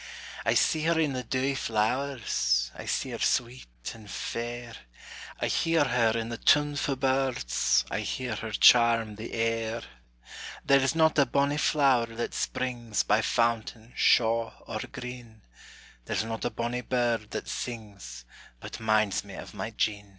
I see her in the dewy flowers, I see her sweet and fair; I hear her in the tunefu' birds, I hear her charm the air; There's not a bonnie flower that springs By fountain, shaw, or green; There's not a bonnie bird that sings, But minds me of my Jean.